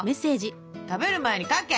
「食べる前に描け」。